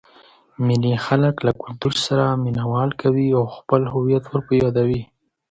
مېلې خلک له کلتور سره مینه وال کوي او خپل هويت ور په يادوي.